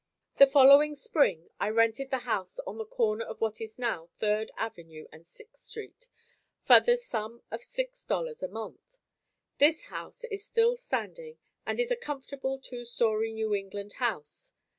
The following spring, I rented the house on the corner of what is now Third Avenue and Sixth Street, for the sum of $6.00 a month. This house is still standing and is a comfortable two story New England house.